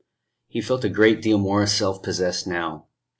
He felt a great deal more self possessed now.